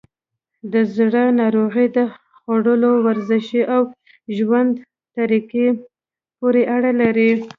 د زړه ناروغۍ د خوړو، ورزش، او ژوند طریقه پورې اړه لري.